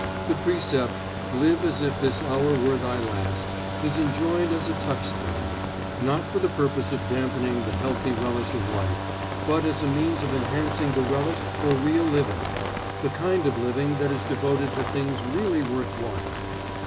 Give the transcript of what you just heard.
The precept, "Live as if this hour were thy last," is enjoined as a touchstone; not for the purpose of dampening the healthy relish of life, but as a means of enhancing the relish for real living, the kind of living that is devoted to things really worth while.